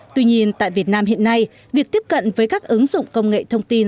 tuy nhiên tại việt nam hiện nay việc tiếp cận với các ứng dụng công nghệ thông tin